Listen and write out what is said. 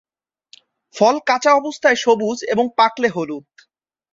ফল কাঁচা অবস্থায় সবুজ এবং পাকলে হলুদ।